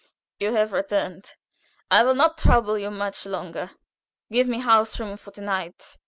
you have returned? I will not trouble you much longer. Give me house room for to night.